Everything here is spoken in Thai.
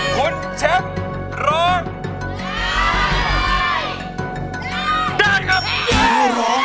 คุณแชมป์ร้อง